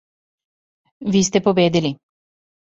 Ви сте победили.